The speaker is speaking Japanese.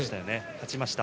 勝ちました。